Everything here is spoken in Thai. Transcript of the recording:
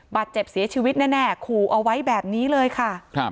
บาดเจ็บเสียชีวิตแน่ขู่เอาไว้แบบนี้เลยค่ะ